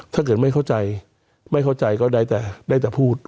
ถ้าเกิดไม่เข้าใจไม่เข้าใจก็ได้แต่ได้แต่พูด